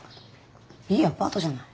いいアパートじゃない。